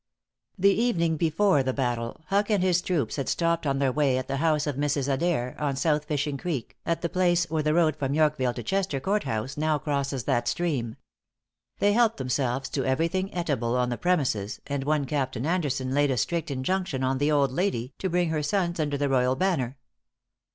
The evening before the battle, Huck and his troops had stopped on their way at the house of Mrs. Adair, on South Fishing Creek, at the place where the road from Yorkville to Chester courthouse now crosses that stream. They helped themselves to every thing eatable on the premises, and one Captain Anderson laid a strict injunction on the old lady, to bring her sons under the royal banner.